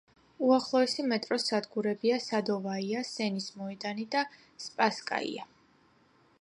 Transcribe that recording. უახლოესი მეტროს სადგურებია „სადოვაია“, „სენის მოედანი“ და „სპასკაია“.